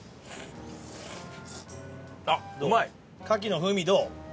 牡蠣の風味どう？